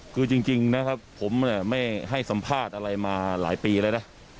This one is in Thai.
คือจริงนะครับผมไม่ให้สัมภาษณ์อะไรมาหลายปีแล้วนะ